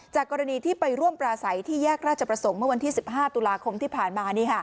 กรณีที่ไปร่วมปราศัยที่แยกราชประสงค์เมื่อวันที่๑๕ตุลาคมที่ผ่านมา